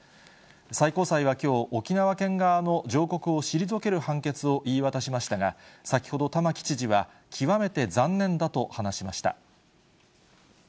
最高裁はきょう、沖縄県側の上告を退ける判決を言い渡しましたが、先ほど、玉城知事は極めて残念だと話しました。